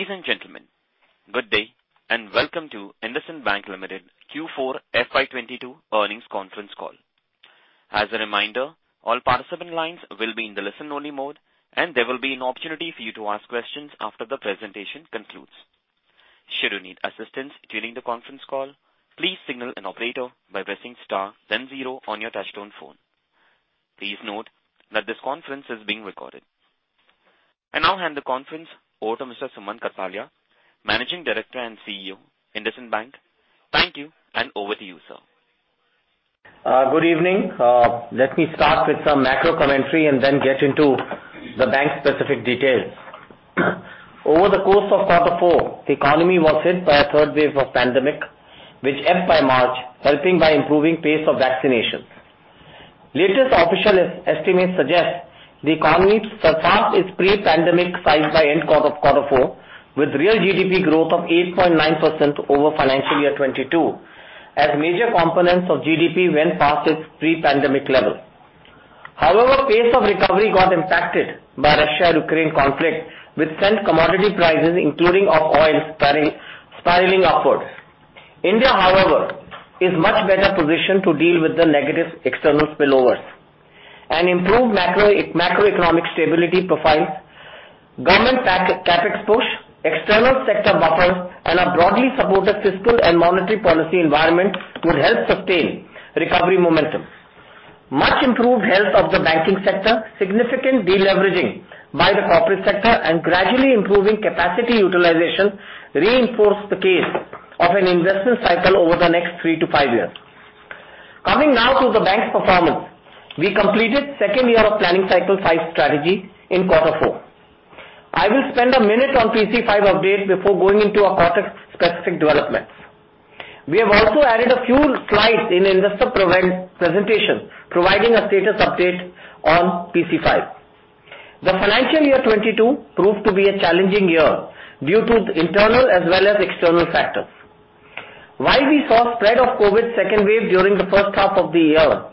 Ladies and gentlemen, good day and welcome to IndusInd Bank Limited Q4 FY22 earnings conference call. As a reminder, all participant lines will be in the listen-only mode, and there will be an opportunity for you to ask questions after the presentation concludes. Should you need assistance during the conference call, please signal an operator by pressing star then zero on your touchtone phone. Please note that this conference is being recorded. I now hand the conference over to Mr. Sumant Kathpalia, Managing Director and CEO, IndusInd Bank. Thank you, and over to you, sir. Good evening. Let me start with some macro commentary and then get into the bank-specific details. Over the course of quarter four, the economy was hit by a third wave of pandemic, which ended by March, helping by improving pace of vaccinations. Latest official estimate suggests the economy surpassed its pre-pandemic size by end quarter four, with real GDP growth of 8.9% over financial year 2022 as major components of GDP went past its pre-pandemic level. However, pace of recovery got impacted by Russia-Ukraine conflict, which sent commodity prices, including of oil, spiraling upwards. India, however, is much better positioned to deal with the negative external spillovers. An improved macroeconomic stability profile, government capex push, external sector buffers, and a broadly supported fiscal and monetary policy environment would help sustain recovery momentum. Much improved health of the banking sector, significant de-leveraging by the corporate sector, and gradually improving capacity utilization reinforce the case of an investment cycle over the next 3-5 years. Coming now to the bank's performance. We completed second year of Planning Cycle 5 strategy in quarter four. I will spend a minute on PC-5 update before going into our quarter-specific developments. We have also added a few slides in investor presentation, providing a status update on PC-5. The financial year 2022 proved to be a challenging year due to internal as well as external factors. While we saw spread of COVID's second wave during the first half of the year,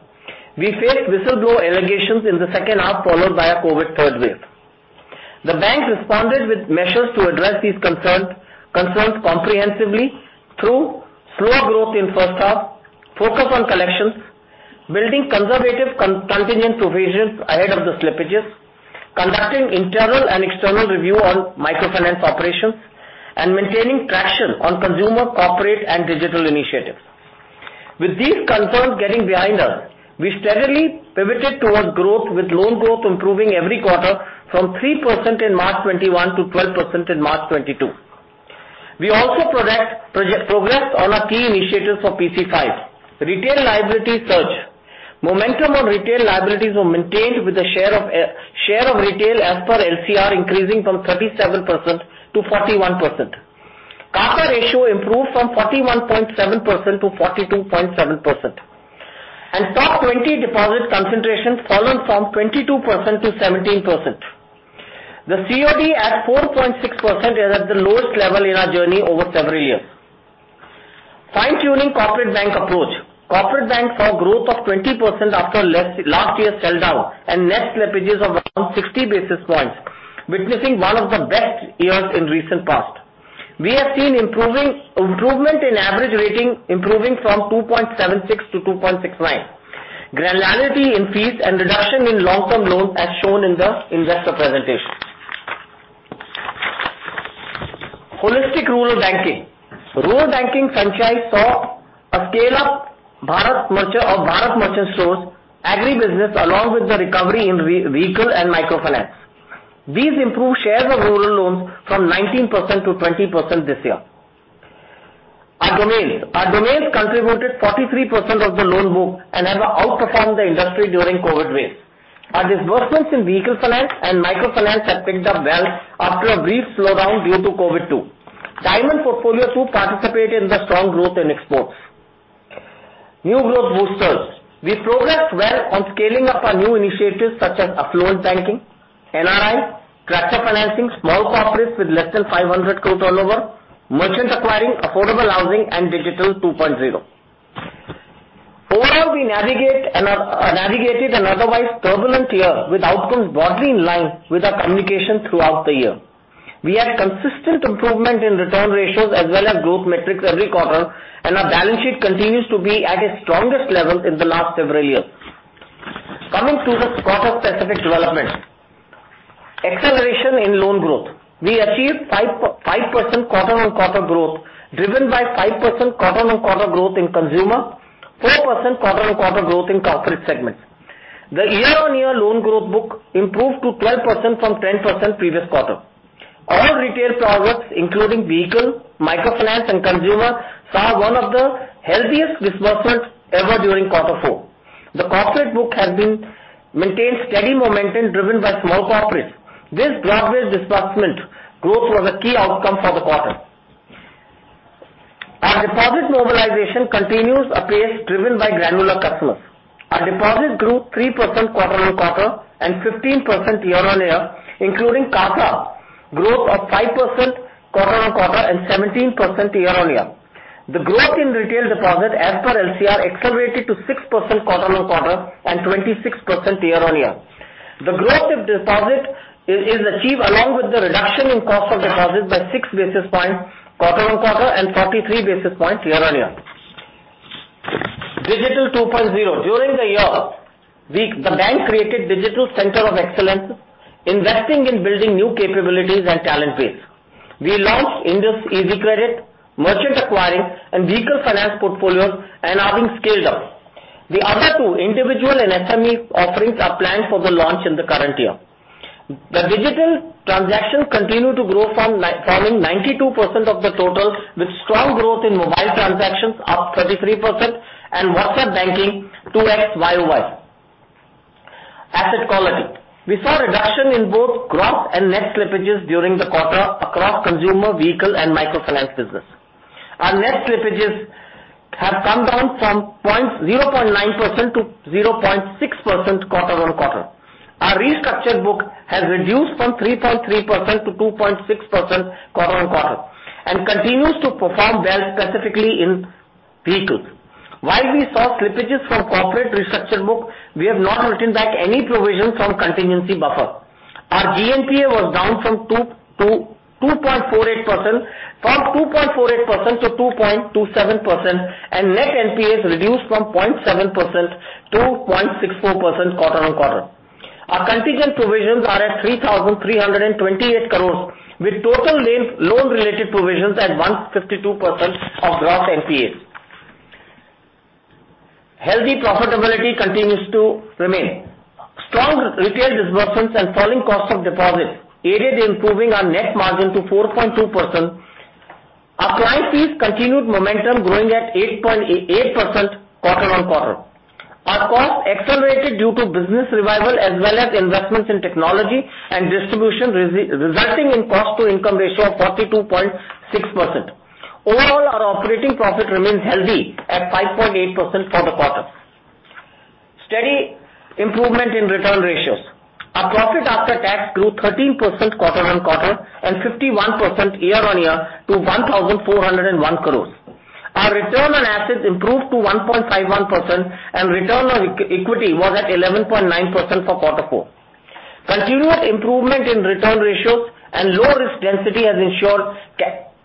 we faced whistleblower allegations in the second half, followed by a COVID third wave. The bank responded with measures to address these concerns comprehensively through slower growth in first half, focus on collections, building conservative contingent provisions ahead of the slippages, conducting internal and external review on microfinance operations, and maintaining traction on consumer, corporate, and digital initiatives. With these concerns getting behind us, we steadily pivoted towards growth with loan growth improving every quarter from 3% in March 2021 to 12% in March 2022. We also progressed on our key initiatives for PC5. Retail liabilities surge. Momentum on retail liabilities were maintained with a share of share of retail as per LCR increasing from 37%-41%. CASA ratio improved from 41.7%-42.7%. Top twenty deposit concentration fallen from 22%-17%. The COD at 4.6% is at the lowest level in our journey over several years. Fine-tuning corporate bank approach. Corporate bank saw growth of 20% after last year's sell-down and net slippages of around 60 basis points, witnessing one of the best years in recent past. We have seen improvement in average rating from 2.76-2.69, granularity in fees, and reduction in long-term loans as shown in the investor presentation. Holistic rural banking. Rural banking franchise saw a scale-up Bharat Super Market stores, agribusiness, along with the recovery in vehicle and microfinance. These improved shares of rural loans from 19%-20% this year. Our domains contributed 43% of the loan book and have outperformed the industry during COVID wave. Our disbursements in vehicle finance and microfinance have picked up well after a brief slowdown due to COVID too. Diamond portfolio too participated in the strong growth in exports. New growth boosters. We progressed well on scaling up our new initiatives such as affluent banking, NRI, tractor financing, small corporates with less than 500 crore turnover, merchant acquiring, affordable housing, and Digital 2.0. Overall, we navigated an otherwise turbulent year with outcomes broadly in line with our communication throughout the year. We had consistent improvement in return ratios as well as growth metrics every quarter, and our balance sheet continues to be at its strongest levels in the last several years. Coming to the quarter-specific developments. Acceleration in loan growth. We achieved 5% quarter-on-quarter growth, driven by 5% quarter-on-quarter growth in consumer, 4% quarter-on-quarter growth in corporate segments. The year-on-year loan growth book improved to 12% from 10% previous quarter. All retail products, including vehicle, microfinance and consumer, saw one of the healthiest disbursements ever during quarter four. The corporate book has been maintained steady momentum driven by small corporates. This broad-based disbursement growth was a key outcome for the quarter. Our deposit mobilization continues apace driven by granular customers. Our deposits grew 3% quarter-on-quarter and 15% year-on-year, including CASA growth of 5% quarter-on-quarter and 17% year-on-year. The growth in retail deposit as per LCR accelerated to 6% quarter-on-quarter and 26% year-on-year. The growth of deposit is achieved along with the reduction in cost of deposits by six basis points quarter-on-quarter and 43 basis points year-on-year. Digital 2.0. During the year, the bank created digital center of excellence, investing in building new capabilities and talent base. We launched IndusEasy Credit, merchant acquiring and vehicle finance portfolios and are being scaled up. The other two individual and SME offerings are planned for the launch in the current year. The digital transactions continue to grow, now forming 92% of the total, with strong growth in mobile transactions up 33% and WhatsApp banking 2x YoY. Asset quality. We saw a reduction in both gross and net slippages during the quarter across consumer, vehicle and microfinance business. Our net slippages have come down from 0.9%-0.6% quarter-on-quarter. Our restructured book has reduced from 3.3%-2.6% quarter-on-quarter and continues to perform well, specifically in vehicles. While we saw slippages from corporate restructured book, we have not written back any provision from contingency buffer. Our GNPA was down from 2.48%-2.27%, and net NPAs reduced from 0.7%-0.64% quarter-on-quarter. Our contingent provisions are at 3,328 crores, with total loan-related provisions at 152% of gross NPAs. Healthy profitability continues to remain. Strong retail disbursements and falling cost of deposits aided in improving our net margin to 4.2%. Our client fees continued momentum growing at 8.8% quarter-on-quarter. Our costs accelerated due to business revival as well as investments in technology and distribution resulting in cost to income ratio of 42.6%. Overall, our operating profit remains healthy at 5.8% for the quarter. Steady improvement in return ratios. Our profit after tax grew 13% quarter-on-quarter and 51% year-on-year to 1,401 crore. Our return on assets improved to 1.51% and return on equity was at 11.9% for quarter four. Continuous improvement in return ratios and lower risk density has ensured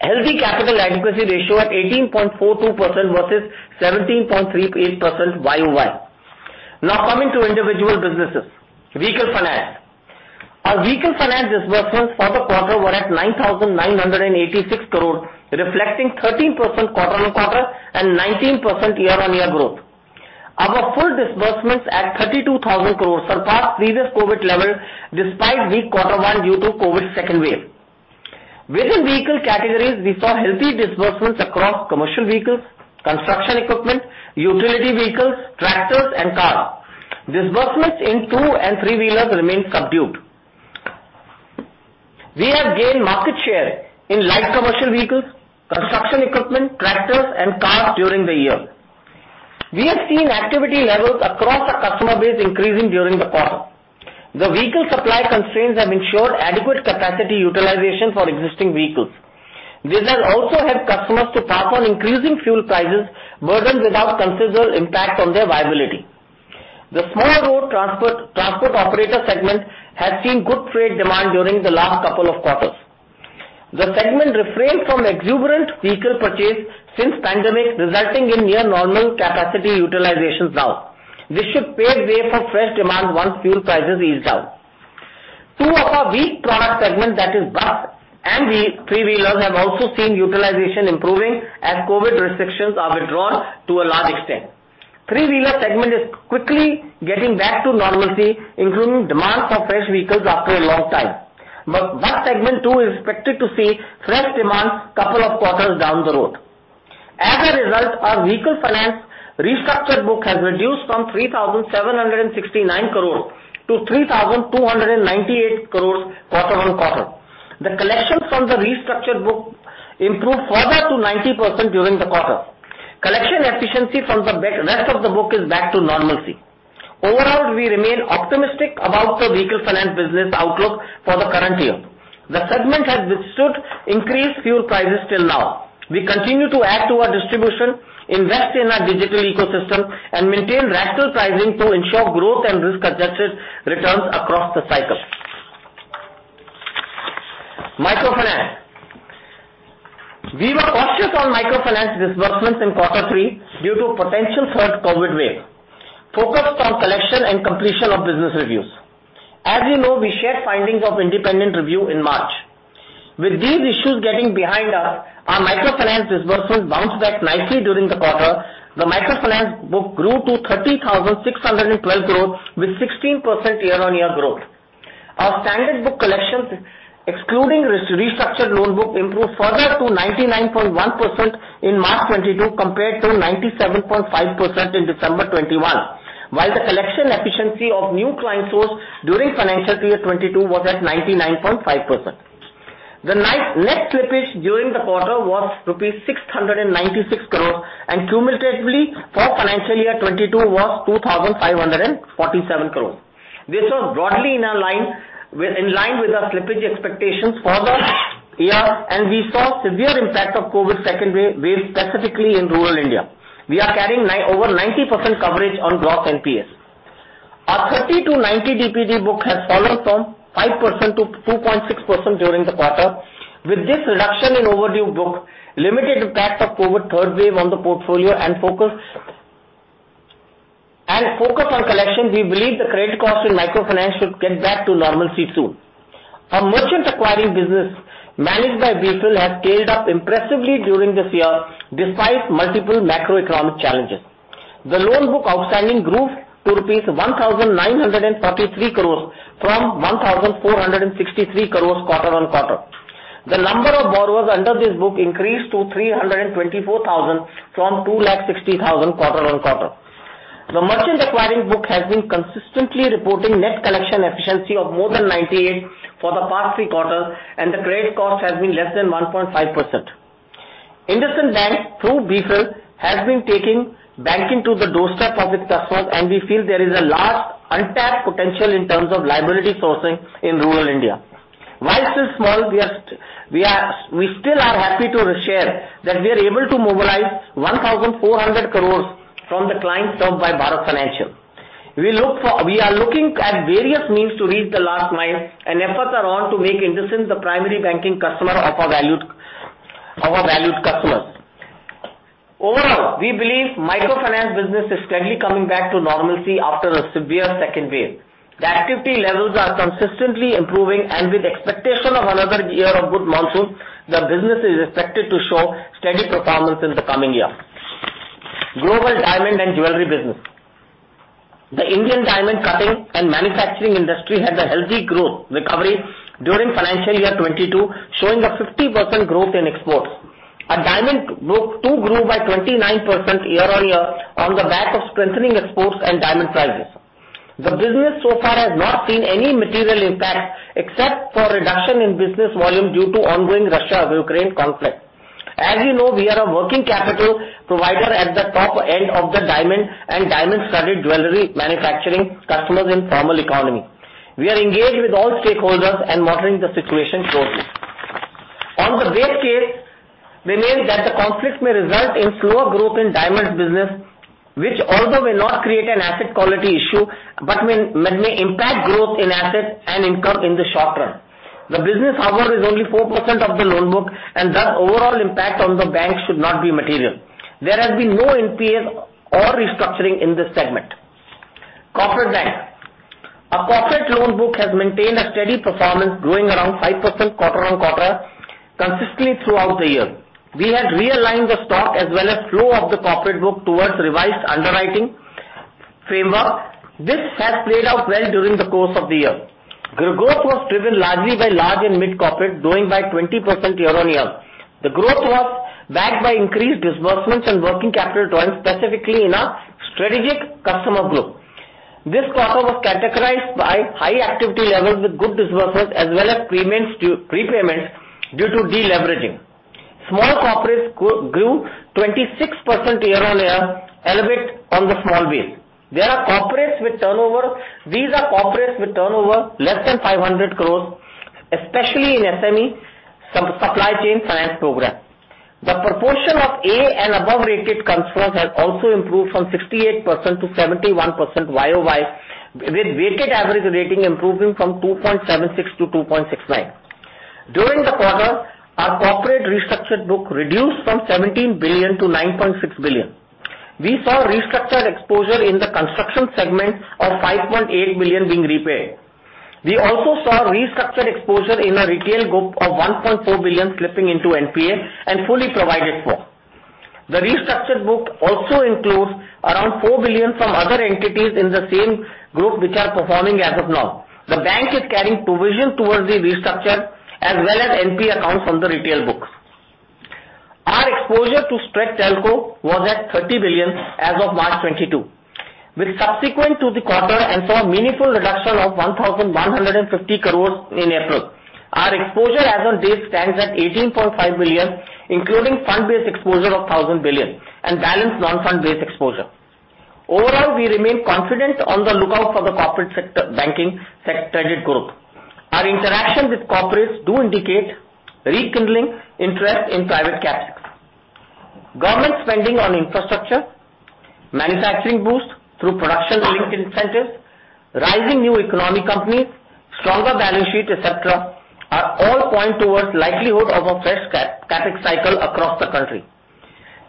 healthy capital adequacy ratio at 18.42% versus 17.38% YoY. Now coming to individual businesses. Vehicle finance. Our vehicle finance disbursements for the quarter were at 9,986 crore, reflecting 13% quarter-on-quarter and 19% year-on-year growth. Our full disbursements at 32,000 crore surpassed previous COVID levels despite weak quarter one due to COVID second wave. Within vehicle categories, we saw healthy disbursements across commercial vehicles, construction equipment, utility vehicles, tractors and cars. Disbursements in two and three-wheelers remained subdued. We have gained market share in light commercial vehicles, construction equipment, tractors and cars during the year. We have seen activity levels across our customer base increasing during the quarter. The vehicle supply constraints have ensured adequate capacity utilization for existing vehicles. This has also helped customers to pass on increasing fuel prices burdens without considerable impact on their viability. The small road transport operator segment has seen good freight demand during the last couple of quarters. The segment refrained from exuberant vehicle purchase since pandemic, resulting in near normal capacity utilizations now. This should pave way for fresh demand once fuel prices ease out. Two of our weak product segment, that is bus and three-wheelers, have also seen utilization improving as COVID restrictions are withdrawn to a large extent. Three-wheeler segment is quickly getting back to normalcy, including demand for fresh vehicles after a long time. Bus segment too is expected to see fresh demand couple of quarters down the road. As a result, our vehicle finance restructured book has reduced from 3,769 crore to 3,298 crores quarter-on-quarter. The collections from the restructured book improved further to 90% during the quarter. Collection efficiency from the rest of the book is back to normalcy. Overall, we remain optimistic about the vehicle finance business outlook for the current year. The segment has withstood increased fuel prices till now. We continue to add to our distribution, invest in our digital ecosystem and maintain rational pricing to ensure growth and risk-adjusted returns across the cycle. Microfinance. We were cautious on microfinance disbursements in quarter three due to potential third COVID wave. Focused on collection and completion of business reviews. As you know, we shared findings of independent review in March. With these issues getting behind us, our microfinance disbursements bounced back nicely during the quarter. The microfinance book grew to 30,612 crores with 16% year-on-year growth. Our standard book collections, excluding restructured loan book, improved further to 99.1% in March 2022 compared to 97.5% in December 2021, while the collection efficiency of new client sourcing during financial year 2022 was at 99.5%. The net slippage during the quarter was 696 crores rupees, and cumulatively for financial year 2022 was 2,547 crores. This was broadly in line with our slippage expectations for the year, and we saw severe impact of COVID second wave specifically in rural India. We are carrying over 90% coverage on gross NPAs. Our 30-90 DPD book has fallen from 5%-2.6% during the quarter. With this reduction in overdue book, limited impact of COVID third wave on the portfolio and focus on collection, we believe the credit cost in microfinance should get back to normalcy soon. Our merchant acquiring business managed by BFIL has scaled up impressively during this year despite multiple macroeconomic challenges. The loan book outstanding grew to 1,943 crore rupees from 1,463 crore quarter-on-quarter. The number of borrowers under this book increased to 324,000 from 260,000 quarter-on-quarter. The merchant acquiring book has been consistently reporting net collection efficiency of more than 98% for the past three quarters, and the credit cost has been less than 1.5%. IndusInd Bank, through BFIL, has been taking banking to the doorstep of its customers, and we feel there is a large untapped potential in terms of liability sourcing in rural India. While still small, we still are happy to re-share that we are able to mobilize 1,400 crore from the clients served by Bharat Financial. We are looking at various means to reach the last mile, and efforts are on to make IndusInd the primary banking customer of our valued customers. Overall, we believe microfinance business is steadily coming back to normalcy after a severe second wave. The activity levels are consistently improving, and with expectation of another year of good monsoon, the business is expected to show steady performance in the coming year. Global diamond and jewelry business. The Indian diamond cutting and manufacturing industry had a healthy growth recovery during financial year 2022, showing a 50% growth in exports. Our diamond book too grew by 29% year-on-year on the back of strengthening exports and diamond prices. The business so far has not seen any material impact except for reduction in business volume due to ongoing Russia-Ukraine conflict. As you know, we are a working capital provider at the top end of the diamond and diamond studded jewelry manufacturing customers in formal economy. We are engaged with all stakeholders and monitoring the situation closely. On the base case remains that the conflict may result in slower growth in diamonds business, which although may not create an asset quality issue, but may impact growth in assets and income in the short term. The business however is only 4% of the loan book, and thus overall impact on the bank should not be material. There has been no NPAs or restructuring in this segment. Corporate bank. Our corporate loan book has maintained a steady performance growing around 5% quarter-on-quarter consistently throughout the year. We had realigned the stock as well as flow of the corporate book towards revised underwriting framework. This has played out well during the course of the year. The growth was driven largely by large and mid corporate growing by 20% year-on-year. The growth was backed by increased disbursements and working capital trends, specifically in our strategic customer group. This quarter was categorized by high activity levels with good disbursements as well as payments due, prepayments due to de-leveraging. Small corporates grew 26% year-on-year, albeit on the small base. There are corporates with turnover. These are corporates with turnover less than 500 crores, especially in SME supply chain finance program. The proportion of A and above rated customers has also improved from 68%-71% YoY, with weighted average rating improving from 2.76-2.69. During the quarter, our corporate restructured book reduced from 17 billion-9.6 billion. We saw restructured exposure in the construction segment of 5.8 billion being repaid. We also saw restructured exposure in our retail book of 1.4 billion slipping into NPA and fully provided for. The restructured book also includes around 4 billion from other entities in the same group which are performing as of now. The bank is carrying provision towards the restructure as well as NPA accounts from the retail books. Our exposure to stressed telco was at 30 billion as of March 2022, with subsequent to the quarter, and saw a meaningful reduction of 1,150 crores in April. Our exposure as on date stands at 18.5 billion, including fund-based exposure of 10 billion and balance non-fund-based exposure. Overall, we remain confident on the outlook for the corporate sector credit growth. Our interaction with corporates does indicate rekindling interest in private CapEx. Government spending on infrastructure, manufacturing boost through production linked incentives, rising new economy companies, stronger balance sheet, etc, are all point towards likelihood of a fresh CapEx cycle across the country.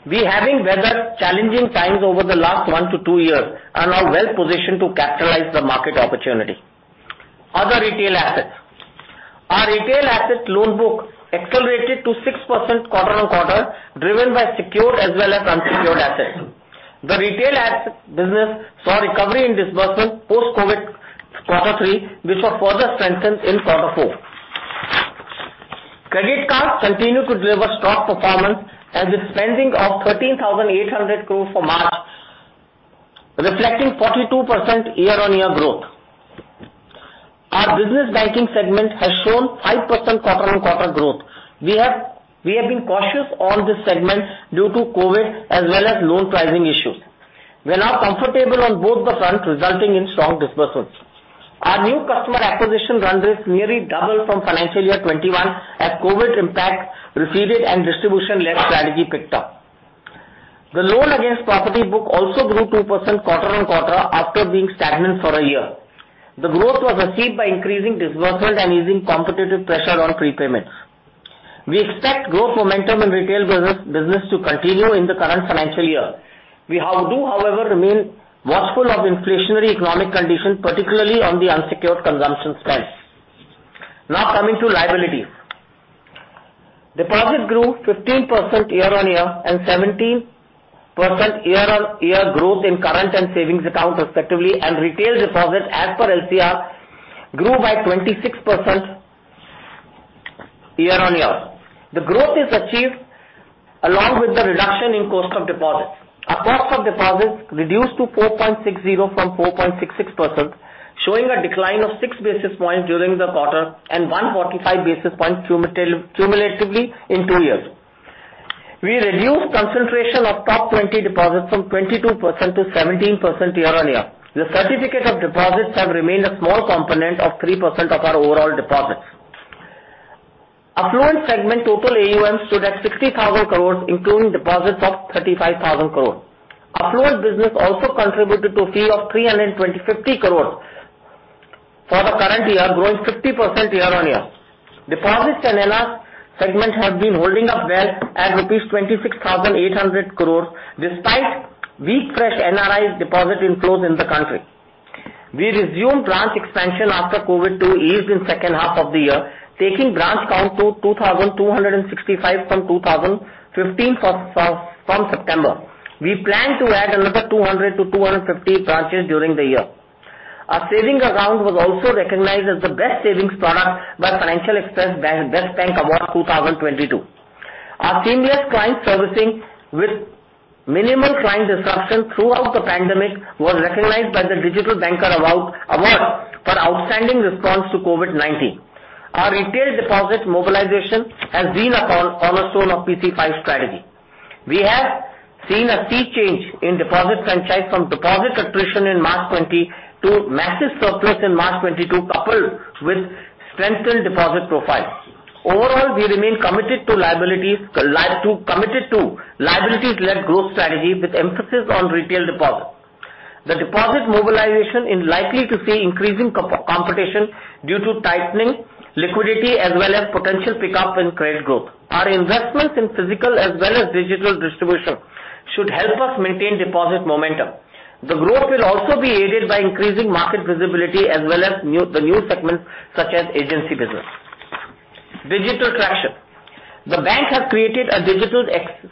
We having weathered challenging times over the last one to two years are now well-positioned to capitalize the market opportunity. Other retail assets. Our retail assets loan book accelerated to 6% quarter-on-quarter, driven by secured as well as unsecured assets. The retail asset business saw recovery in disbursement post-COVID quarter three, which was further strengthened in quarter four. Credit cards continue to deliver strong performance and with spending of 13,800 crore for March, reflecting 42% year-on-year growth. Our business banking segment has shown 5% quarter-on-quarter growth. We have been cautious on this segment due to COVID as well as loan pricing issues. We are now comfortable on both the fronts, resulting in strong disbursements. Our new customer acquisition run rate nearly doubled from financial year 2021 as COVID impact receded and distribution-led strategy picked up. The loan against property book also grew 2% quarter-on-quarter after being stagnant for a year. The growth was achieved by increasing disbursement and easing competitive pressure on prepayments. We expect growth momentum in retail business to continue in the current financial year. We, however, remain watchful of inflationary economic conditions, particularly on the unsecured consumption spends. Now coming to liabilities. Deposits grew 15% year-on-year and 17% year-on-year growth in current and savings accounts respectively, and retail deposits as per LCR grew by 26% year-on-year. The growth is achieved along with the reduction in cost of deposits. Our cost of deposits reduced to 4.60% from 4.66%, showing a decline of six basis points during the quarter and 145 basis points cumulatively in two years. We reduced concentration of top 20 deposits from 22%-17% year-on-year. The certificates of deposit have remained a small component of 3% of our overall deposits. Affluent segment total AUM stood at 60,000 crores, including deposits of 35,000 crores. Affluent business also contributed to fee of 325 crores for the current year, growing 50% year-on-year. Deposits and NRI segment have been holding up well at rupees 26,800 crores, despite weak fresh NRI deposit inflows in the country. We resumed branch expansion after COVID to ease in second half of the year, taking branch count to 2,265 from 2,015 from September. We plan to add another 200-250 branches during the year. Our savings account was also recognized as the best savings product by Financial Express Best Bank Awards 2022. Our seamless client servicing with minimal client disruption throughout the pandemic was recognized by the Digital Banker Award for outstanding response to COVID-19. Our retail deposit mobilization has been a cornerstone of PC5 strategy. We have seen a sea change in deposit franchise from deposit attrition in March 2020 to massive surplus in March 2022, coupled with strengthened deposit profile. Overall, we remain committed to liabilities-led growth strategy with emphasis on retail deposits. The deposit mobilization is likely to see increasing competition due to tightening liquidity as well as potential pickup in credit growth. Our investments in physical as well as digital distribution should help us maintain deposit momentum. The growth will also be aided by increasing market visibility as well as new segments such as agency business. Digital traction. The bank has created a digital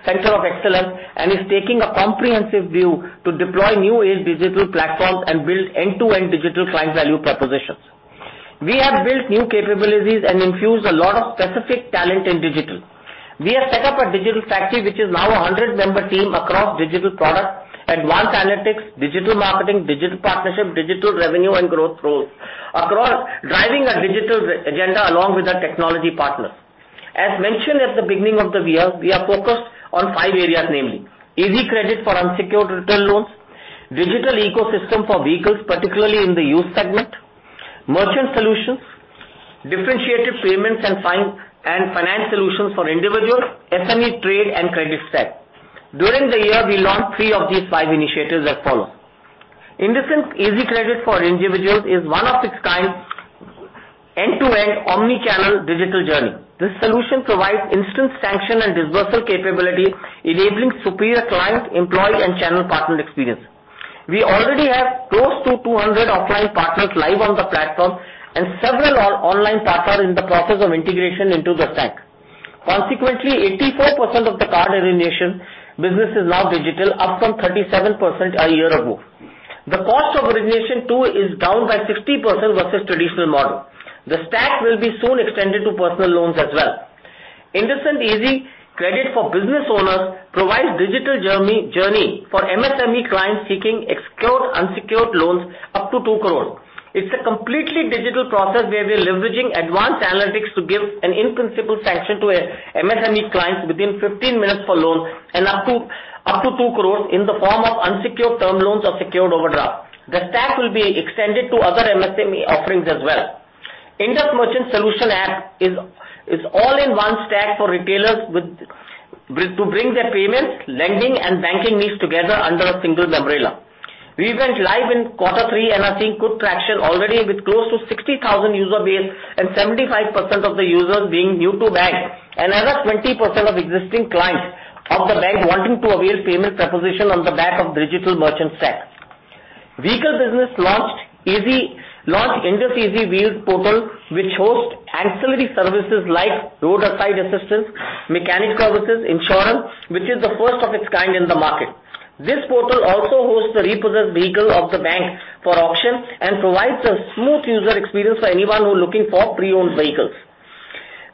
center of excellence and is taking a comprehensive view to deploy new-age digital platforms and build end-to-end digital client value propositions. We have built new capabilities and infused a lot of specific talent in digital. We have set up a digital factory which is now a 100-member team across digital products, advanced analytics, digital marketing, digital partnership, digital revenue and growth roles. Across driving our digital agenda along with our technology partners. As mentioned at the beginning of the year, we are focused on five areas, namely IndusEasy Credit for unsecured retail loans, IndusEasy Wheels, particularly in the used segment, Indus Merchant Solutions, differentiated payments and fintech and finance solutions for individuals, SME, trade and credit segment. During the year, we launched three of these five initiatives as follows. IndusInd's IndusEasy Credit for individuals is one of a kind end-to-end omni-channel digital journey. This solution provides instant sanction and disbursal capability, enabling superior client, employee and channel partner experience. We already have close to 200 offline partners live on the platform and several online partners in the process of integration into the stack. Consequently, 84% of the card origination business is now digital, up from 37% a year ago. The cost of origination too is down by 60% versus traditional model. The stack will be soon extended to personal loans as well. IndusEasy Credit for business owners provides digital journey for MSME clients seeking secured, unsecured loans up to 2 crores. It's a completely digital process where we are leveraging advanced analytics to give an in-principle sanction to a MSME client within 15 minutes for loans and up to 2 crores in the form of unsecured term loans or secured overdraft. The stack will be extended to other MSME offerings as well. Indus Merchant Solutions app is all-in-one stack for retailers with to bring their payments, lending and banking needs together under a single umbrella. We went live in quarter three and are seeing good traction already with close to 60,000 user base and 75% of the users being new-to-bank. Another 20% of existing clients of the bank wanting to avail payment proposition on the back of digital merchant stack. Vehicle business launched IndusEasy Wheels portal, which hosts ancillary services like roadside assistance, mechanic services, insurance, which is the first of its kind in the market. This portal also hosts the repossessed vehicle of the bank for auction and provides a smooth user experience for anyone who are looking for pre-owned vehicles.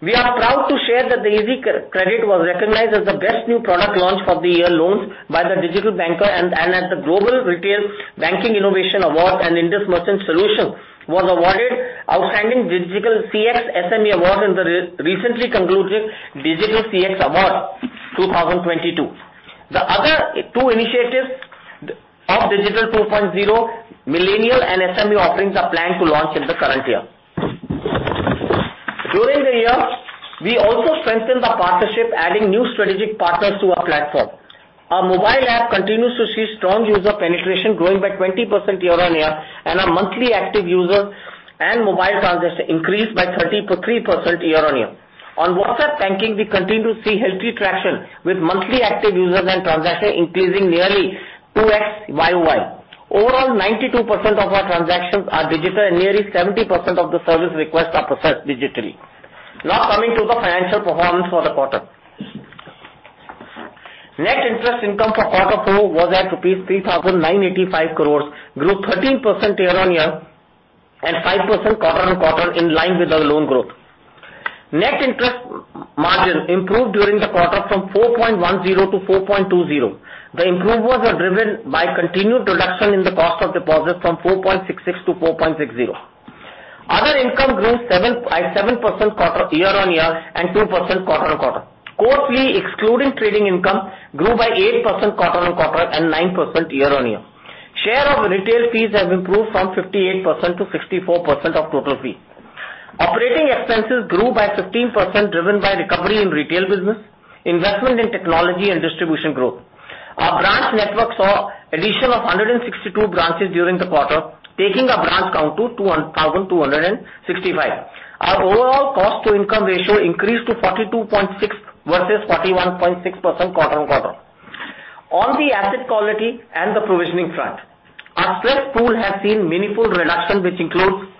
We are proud to share that the IndusEasy Credit was recognized as the best new product launch of the year loans by The Digital Banker and at the Global Retail Banking Innovation Awards, and Indus Merchant Solutions was awarded Outstanding Digital CX SME award in the recently concluded Digital CX Awards 2022. The other two initiatives of Digital 2.0, millennial and SME offerings are planned to launch in the current year. During the year, we also strengthened the partnership, adding new strategic partners to our platform. Our mobile app continues to see strong user penetration growing by 20% year-on-year, and our monthly active users and mobile transactions increased by 33% year-on-year. On WhatsApp banking, we continue to see healthy traction with monthly active users and transactions increasing nearly 2x YoY. Overall, 92% of our transactions are digital and nearly 70% of the service requests are processed digitally. Now coming to the financial performance for the quarter. Net interest income for Q4 was at rupees 3,985 crore, grew 13% year-on-year and 5% quarter-on-quarter in line with our loan growth. Net interest margin improved during the quarter from 4.10%-4.20%. The improvements were driven by continued reduction in the cost of deposits from 4.66%-4.60%. Other income grew 7% year-on-year and 2% quarter-on-quarter. Core fee excluding trading income grew by 8% quarter-on-quarter and 9% year-on-year. Share of retail fees have improved from 58%-64% of total fee. Operating expenses grew by 15% driven by recovery in retail business, investment in technology and distribution growth. Our branch network saw addition of 162 branches during the quarter, taking our branch count to 2,265. Our overall cost to income ratio increased to 42.6% versus 41.6% quarter-on-quarter. On the asset quality and the provisioning front, our stress pool has seen meaningful reduction which includes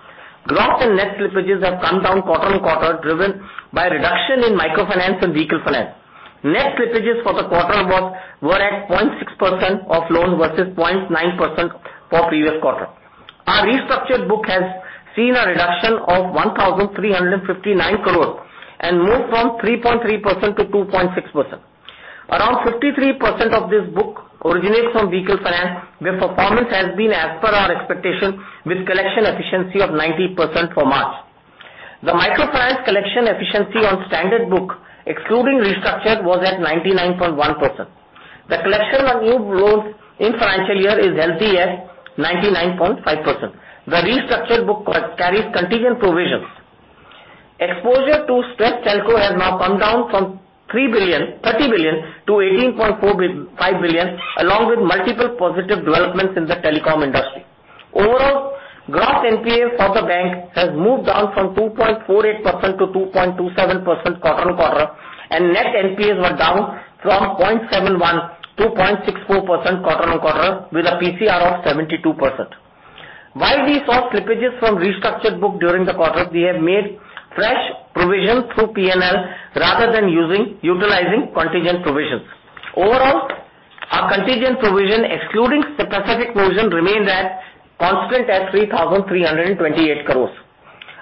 gross and net slippages have come down quarter-on-quarter, driven by reduction in microfinance and vehicle finance. Net slippages for the quarter were at 0.6% of loans versus 0.9% for previous quarter. Our restructured book has seen a reduction of 1,359 crore and moved from 3.3%-2.6%. Around 53% of this book originates from vehicle finance, where performance has been as per our expectation with collection efficiency of 90% for March. The microfinance collection efficiency on standard book, excluding restructured, was at 99.1%. The collection on new loans in financial year is healthy at 99.5%. The restructured book carries contingent provisions. Exposure to stressed telco has now come down from thirty billion to 18.45 billion, along with multiple positive developments in the telecom industry. Overall, gross NPAs for the bank has moved down from 2.48%-2.27% quarter-on-quarter, and net NPAs were down from 0.71%-0.64% quarter-on-quarter with a PCR of 72%. While we saw slippages from restructured book during the quarter, we have made fresh provision through P&L rather than using contingent provisions. Overall, our contingent provision excluding specific provision remained constant at 3,328 crores.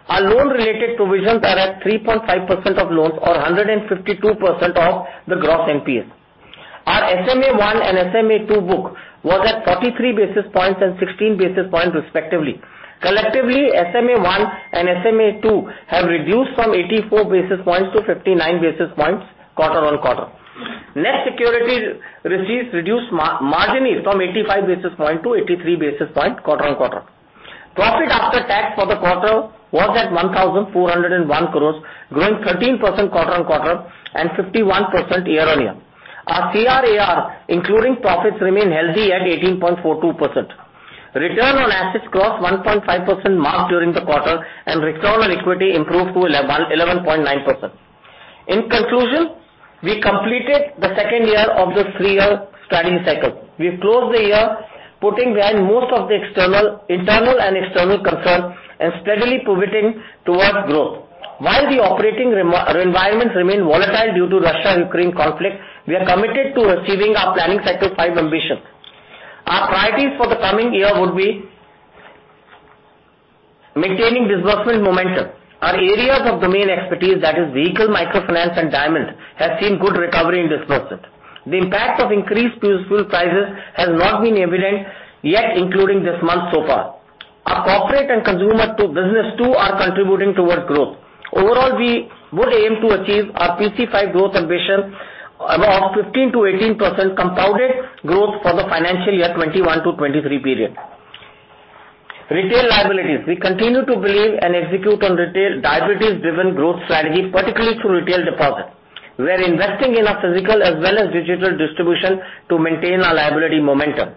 Our loan-related provisions are at 3.5% of loans or 152% of the gross NPAs. Our SMA one and SMA two book was at 43 basis points and 16 basis points respectively. Collectively, SMA-1 and SMA-2 have reduced from 84 basis points to 59 basis points quarter-over-quarter. Net NPAs reduced marginally from 85 basis points to 83 basis points quarter-over-quarter. Profit after tax for the quarter was at 1,401 crores, growing 13% quarter-over-quarter and 51% year-over-year. Our CRAR including profits remains healthy at 18.42%. Return on assets crossed 1.5% mark during the quarter and return on equity improved to 11.9%. In conclusion, we completed the second year of the three-year strategy cycle. We closed the year putting behind most of the external and internal concerns and steadily pivoting towards growth. While the operating environments remain volatile due to Russia-Ukraine conflict, we are committed to achieving our planning cycle five ambitions. Our priorities for the coming year would be maintaining disbursement momentum. Our areas of domain expertise, that is vehicle microfinance and diamond, have seen good recovery in disbursements. The impact of increased fuel prices has not been evident yet, including this month so far. Our corporate and consumer-to-business too are contributing towards growth. Overall, we would aim to achieve our PC-5 growth ambition about 15%-18% compounded growth for the financial year 2021-2023 period. Retail liabilities. We continue to believe and execute on retail liabilities-driven growth strategy, particularly through retail deposits. We are investing in our physical as well as digital distribution to maintain our liability momentum.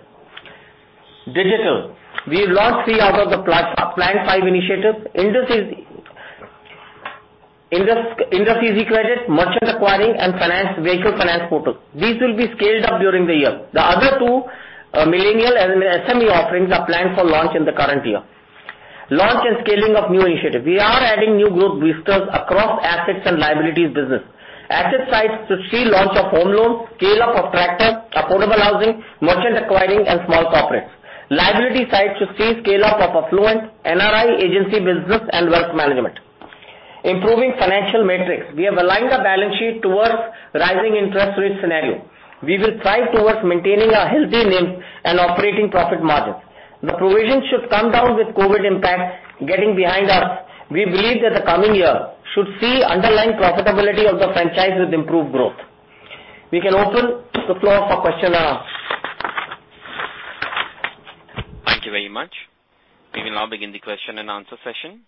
Digital. We launched three out of the planned five initiatives. IndusEasy Credit, Indus Merchant Solutions, IndusEasy Wheels. These will be scaled up during the year. The other two, millennial and SME offerings are planned for launch in the current year. Launch and scaling of new initiatives. We are adding new growth vectors across assets and liabilities business. Asset side should see launch of home loans, scale up of tractors, affordable housing, merchant acquiring and small corporates. Liability side should see scale up of affluent NRI agency business and wealth management. Improving financial metrics. We have aligned our balance sheet towards rising interest rate scenario. We will strive towards maintaining a healthy NIM and operating profit margin. The provision should come down with COVID impact getting behind us. We believe that the coming year should see underlying profitability of the franchise with improved growth. We can open the floor for questions. Thank you very much. We will now begin the question and answer session.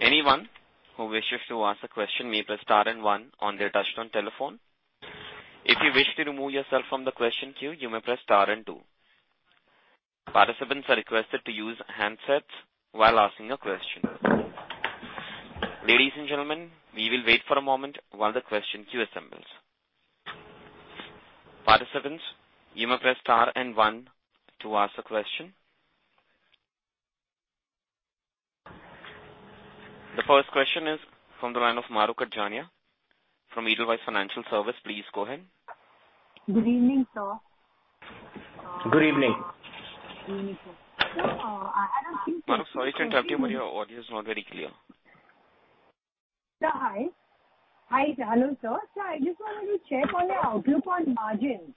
Anyone who wishes to ask a question may press star and one on their touch-tone telephone. If you wish to remove yourself from the question queue, you may press star and two. Participants are requested to use handsets while asking a question. Ladies and gentlemen, we will wait for a moment while the question queue assembles. Participants, you may press star and one to ask a question. The first question is from the line of Arup Kataria from Edelweiss Financial Services. Please go ahead. Good evening, sir. Good evening. Arup, sorry to interrupt you, but your audio is not very clear. Sir. Hi. Hi. Hello, sir. Sir, I just wanted to check on your outlook on margins.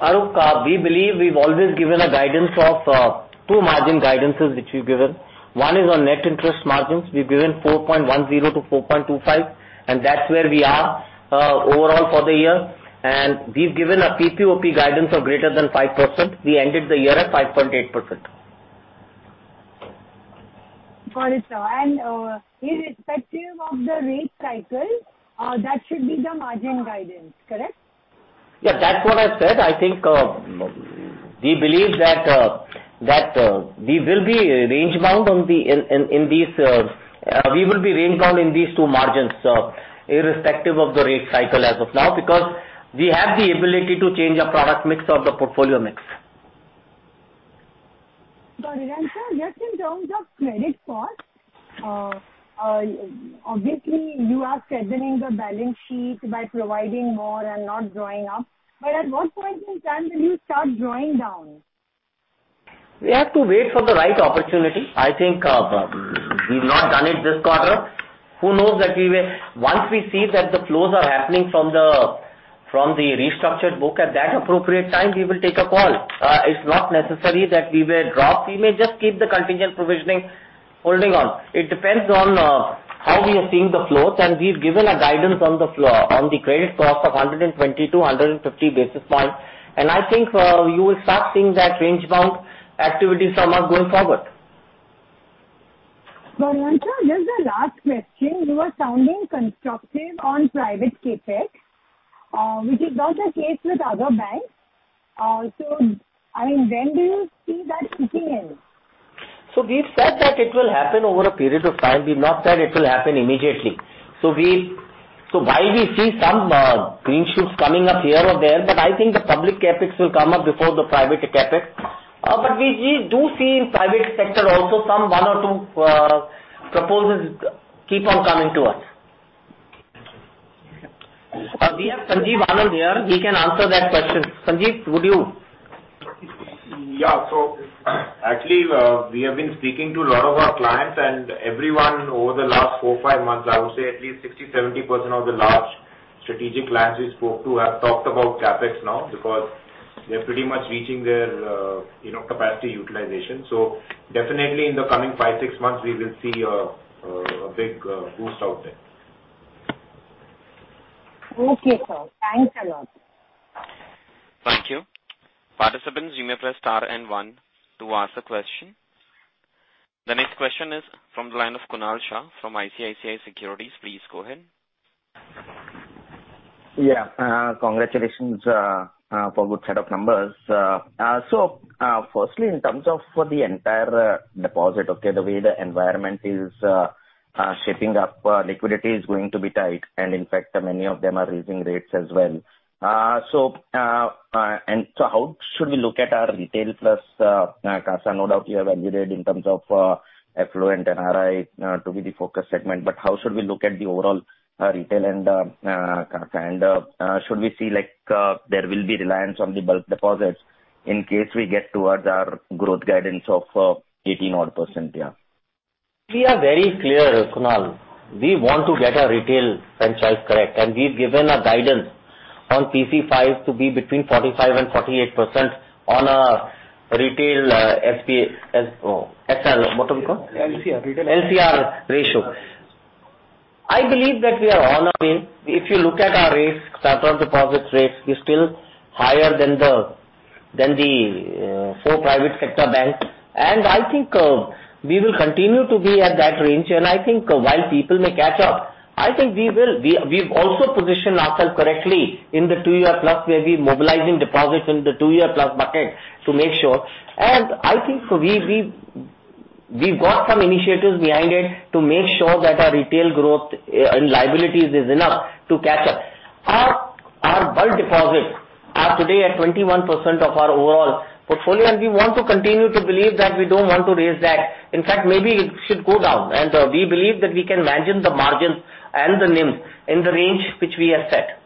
Arup, we believe we've always given a guidance of two margin guidances, which we've given. One is on net interest margins. We've given 4.10%-4.25%, and that's where we are overall for the year. We've given a PPOP guidance of greater than 5%. We ended the year at 5.8%. Got it, sir. Irrespective of the rate cycle, that should be the margin guidance, correct? Yeah, that's what I said. I think, we believe that, we will be range bound in these two margins, irrespective of the rate cycle as of now, because we have the ability to change our product mix or the portfolio mix. Got it. Sir, just in terms of credit cost, obviously you are strengthening the balance sheet by providing more and not drawing up. At what point in time will you start drawing down? We have to wait for the right opportunity. I think, we've not done it this quarter. Who knows that we may once we see that the flows are happening from the restructured book, at that appropriate time we will take a call. It's not necessary that we may drop. We may just keep the contingent provisioning holding on. It depends on how we are seeing the flows. We've given a guidance on the floor on the credit cost of 120-150 basis points. I think you will start seeing that range bound activity from us going forward. Got it. Sir, just the last question. You are sounding constructive on private CapEx, which is not the case with other banks. I mean, when do you see that kicking in? We've said that it will happen over a period of time. We've not said it will happen immediately. While we see some green shoots coming up here or there, but I think the public CapEx will come up before the private CapEx. We do see in private sector also some one or two proposals keep on coming to us. We have Sanjeev Anand here. He can answer that question. Sanjeev, would you? Yeah. Actually, we have been speaking to a lot of our clients and everyone over the last 4, 5 months. I would say at least 60%-70% of the large strategic clients we spoke to have talked about CapEx now because they're pretty much reaching their, you know, capacity utilization. Definitely in the coming 5, 6 months we will see a big boost out there. Okay, sir. Thanks a lot. Thank you. Participants, you may press star and one to ask a question. The next question is from the line of Kunal Shah from ICICI Securities. Please go ahead. Yeah. Congratulations for good set of numbers. Firstly, in terms of the entire deposit, okay, the way the environment is shaping up, liquidity is going to be tight and in fact many of them are raising rates as well. How should we look at our retail plus CASA? No doubt you have validated in terms of affluent NRI to be the focus segment, but how should we look at the overall retail and CASA and should we see like there will be reliance on the bulk deposits in case we get towards our growth guidance of 18 odd %? Yeah. We are very clear, Kunal. We want to get our retail franchise correct. We've given a guidance on PC-5 to be between 45% and 48% on retail SPS, SL. What do you call? LCR. LCR ratio. I believe that we are holding. If you look at our current deposit rates is still higher than the four private sector banks. I think we will continue to be at that range. I think while people may catch up, I think we will. We've also positioned ourselves correctly in the two-year-plus, where we're mobilizing deposits in the two-year-plus bucket to make sure. I think we've got some initiatives behind it to make sure that our retail growth and liabilities is enough to catch up. Our bulk deposits are today at 21% of our overall portfolio, and we want to continue to believe that we don't want to raise that. In fact, maybe it should go down, and we believe that we can manage the margins and the NIM in the range which we have set.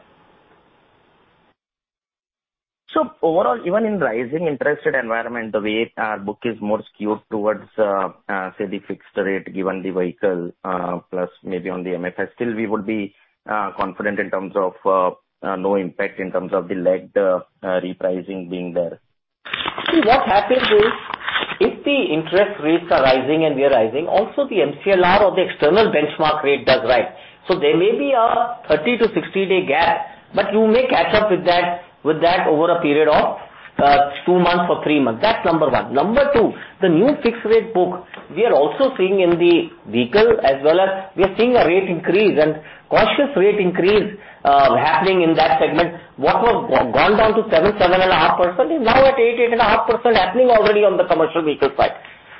Overall, even in rising interest rate environment, the way our book is more skewed towards, say, the fixed rate given the vehicle, plus maybe on the MFI, still we would be confident in terms of no impact in terms of the lagged repricing being there. See, what happens is if the interest rates are rising and we are rising, also the MCLR or the external benchmark rate does rise. There may be a 30-60-day gap, but you may catch up with that, with that over a period of two months or three months. That's number one. Number two, the new fixed rate book, we are also seeing in the vehicle as well as we are seeing a rate increase and cautious rate increase happening in that segment. What was gone down to 7.5% is now at 8.5% happening already on the commercial vehicle side.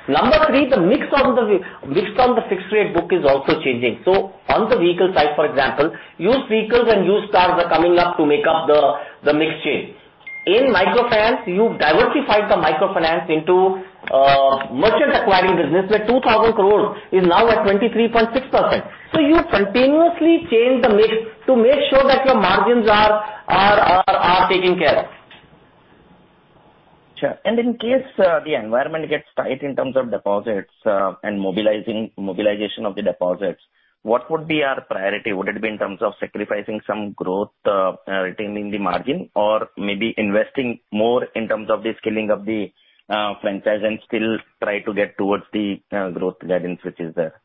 Number three, the mix from the fixed rate book is also changing. On the vehicle side, for example, used vehicles and used cars are coming up to make up the mix change. In microfinance, you diversified the microfinance into merchant acquiring business where 2,000 crore is now at 23.6%. You continuously change the mix to make sure that your margins are taken care of. Sure. In case the environment gets tight in terms of deposits and mobilization of the deposits, what would be our priority? Would it be in terms of sacrificing some growth, retaining the margin or maybe investing more in terms of the scaling of the franchise and still try to get towards the growth guidance which is there?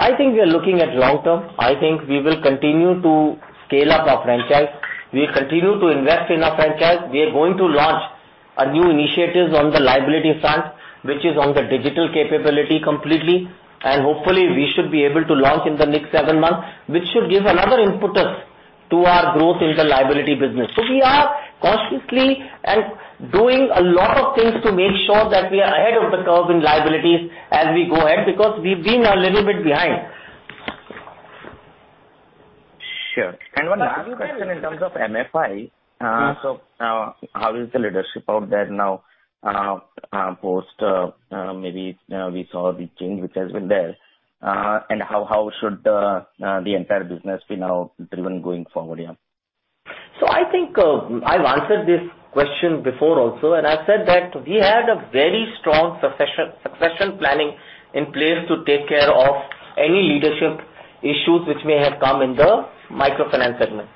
I think we are looking at long term. I think we will continue to scale up our franchise. We'll continue to invest in our franchise. We are going to launch a new initiatives on the liability front, which is on the digital capability completely and hopefully we should be able to launch in the next seven months, which should give another impetus to our growth in the liability business. We are consciously doing a lot of things to make sure that we are ahead of the curve in liabilities as we go ahead, because we've been a little bit behind. Sure. One last question in terms of MFI. So, how is the leadership out there now, post maybe we saw the change which has been there, and how should the entire business be now driven going forward, yeah? I think I've answered this question before also, and I've said that we had a very strong succession planning in place to take care of any leadership issues which may have come in the microfinance segment.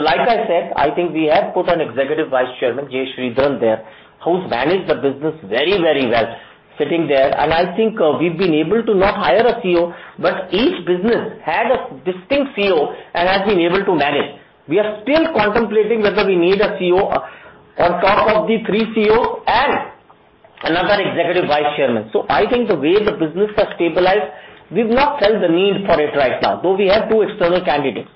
Like I said, I think we have put an Executive Vice Chairman J. Sridharan there, who's managed the business very, very well sitting there, and I think we've been able to not hire a CEO, but each business has a distinct CEO and has been able to manage. We are still contemplating whether we need a CEO on top of the three CEOs and another executive vice chairman. I think the way the business has stabilized, we've not felt the need for it right now, though we have two external candidates.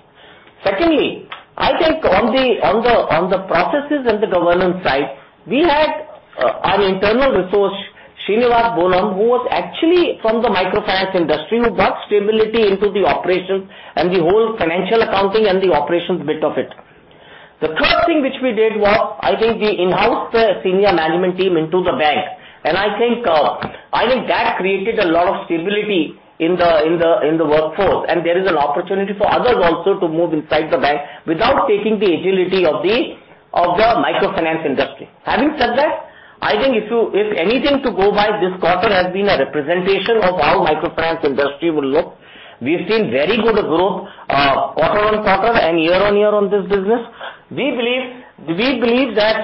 Secondly, I think on the processes and the governance side, we had our internal resource, Sreenivasan Ghulam, who was actually from the microfinance industry, who brought stability into the operations and the whole financial accounting and the operations bit of it. The third thing which we did was, I think we in-housed the senior management team into the bank, and I think that created a lot of stability in the workforce and there is an opportunity for others also to move inside the bank without taking the agility of the microfinance industry. Having said that, I think if anything to go by this quarter has been a representation of how microfinance industry will look. We've seen very good growth quarter-on-quarter and year-on-year on this business. We believe that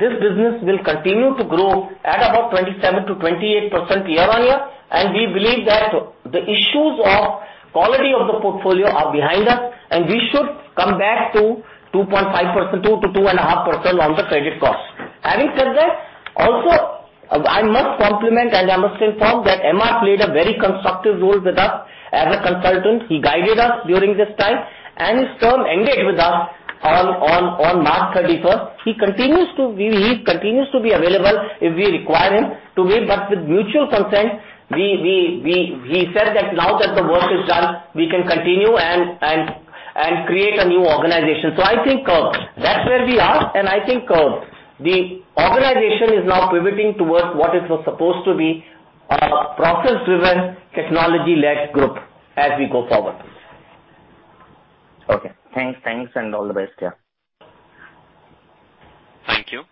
this business will continue to grow at about 27%-28% year-on-year and we believe that the issues of quality of the portfolio are behind us and we should come back to 2.5%, 2%-2.5% on the credit cost. Having said that, also I must compliment and I must inform that M.R. played a very constructive role with us as a consultant. He guided us during this time and his term ended with us on March thirty-first. He continues to be available if we require him to be, but with mutual consent, we said that now that the work is done, we can continue and create a new organization. I think, that's where we are and I think, the organization is now pivoting towards what it was supposed to be, a process-driven, technology-led group as we go forward. Okay. Thanks. Thanks and all the best. Yeah. Thank you.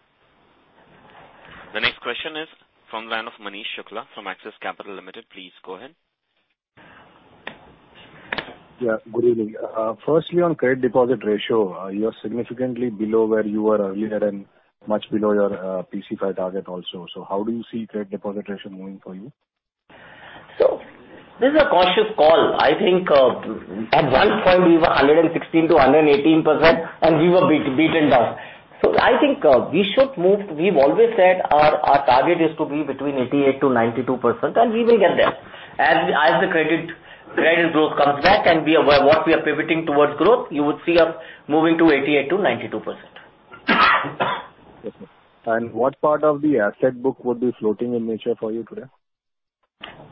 The next question is from the line of Manish Shukla from Axis Capital Limited. Please go ahead. Yeah, good evening. Firstly, on credit deposit ratio, you are significantly below where you were earlier and much below your PC-5 target also. How do you see credit deposit ratio moving for you? This is a cautious call. I think at one point we were 116%-118% and we were beaten down. I think we should move. We've always said our target is to be between 88%-92%, and we will get there. As the credit growth comes back and we are pivoting towards growth, you would see us moving to 88%-92%. Yes, sir. What part of the asset book would be floating in nature for you today?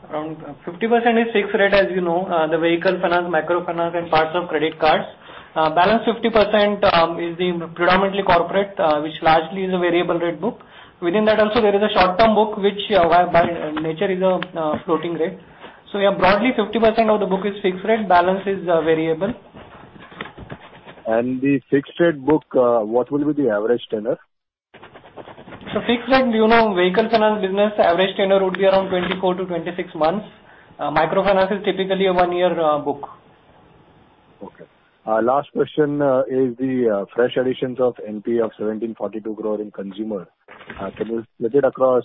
Around 50% is fixed rate, as you know, the vehicle finance, microfinance and parts of credit cards. Balance 50% is in predominantly corporate, which largely is a variable rate book. Within that also there is a short-term book which, by nature, is a floating rate. Broadly, 50% of the book is fixed rate, balance is variable. The fixed rate book, what will be the average tenor? Fixed rate, you know, vehicle finance business, the average tenor would be around 24-26 months. Microfinance is typically a one year book. Okay. Last question, is the fresh additions of NPA of 1,742 crore in consumer. Can you split it across